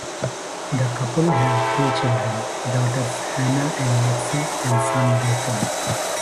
The couple have three children; daughters Hannah and Lexie and son Griffin.